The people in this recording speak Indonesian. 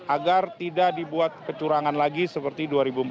agar tidak dibuat kecurangan lagi seperti dua ribu empat belas